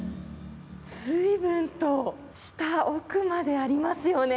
ずいぶんと下、奥までありますよね。